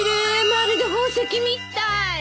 まるで宝石みたい。